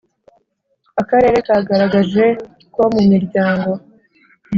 Akarere kagaragaje ko mu miryango